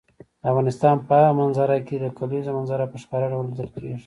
د افغانستان په هره منظره کې د کلیزو منظره په ښکاره ډول لیدل کېږي.